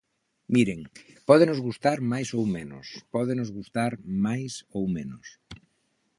Miren, pódenos gustar máis ou menos, pódenos gustar máis ou menos.